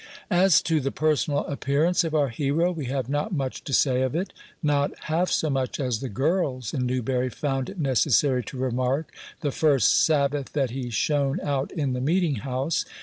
As to the personal appearance of our hero, we have not much to say of it not half so much as the girls in Newbury found it necessary to remark, the first Sabbath that he shone out in the meeting house.